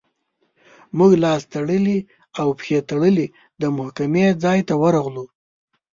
موږ لاس تړلي او پښې تړلي د محکمې ځای ته ورغلو.